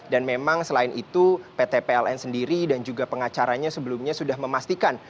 dan memang selain itu pt pln sendiri dan juga pengacaranya sebelumnya sudah memastikan